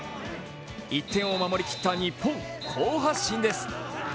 １点を守りきった日本好発進です。